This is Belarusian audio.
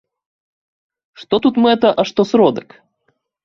Што тут мэта, а што сродак?